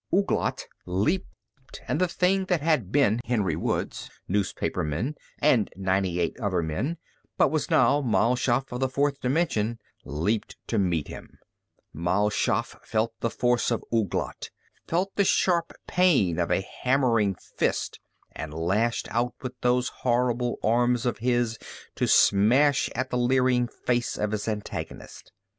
Ouglat leaped and the thing that had been Henry Woods, newspaperman, and ninety eight other men, but was now Mal Shaff of the fourth dimension, leaped to meet him. Mal Shaff felt the force of Ouglat, felt the sharp pain of a hammering fist, and lashed out with those horrible arms of his to smash at the leering face of his antagonist.